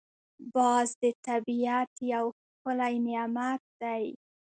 باز د طبیعت یو ښکلی نعمت دی